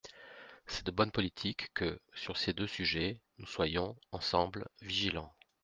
C’est de bonne politique que, sur ces deux sujets, nous soyons, ensemble, vigilants.